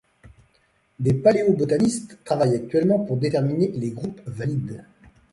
Des paléobotanistes travaillent actuellement pour déterminer les groupes valides.